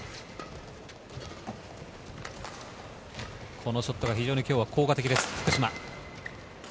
このショットが今日非常に効果的です、福島。